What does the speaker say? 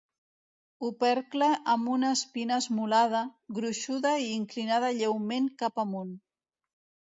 Opercle amb una espina esmolada, gruixuda i inclinada lleument cap amunt.